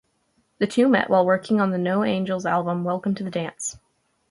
The two met while working on the No Angels album Welcome to the Dance.